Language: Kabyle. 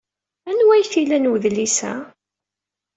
Anwa ay t-ilan wedlis-a?